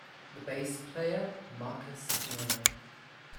The bass player Marcus Miller.